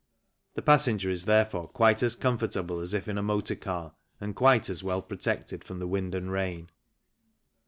The passenger is therefore quite as comfort able as if in a motor car and quite as well protected from the wind and rain.